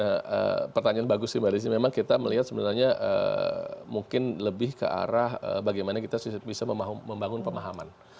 nah pertanyaan bagus sih mbak desi memang kita melihat sebenarnya mungkin lebih ke arah bagaimana kita bisa membangun pemahaman